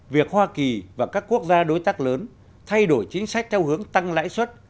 việc hoa kỳ và các quốc gia đối tác lớn thay đổi chính sách theo hướng tăng lãi suất